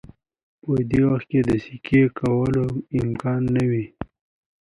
په دې وخت کې د سکی کولو امکان نه وي